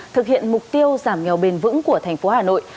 thực hiện mục tiêu giảm nghèo bền vững của thành phố hà nội